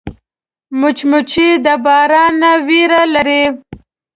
مچمچۍ د باران نه ویره لري